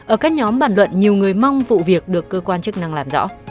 ở các nhóm bàn luận nhiều người mong vụ việc được cơ quan chức năng làm rõ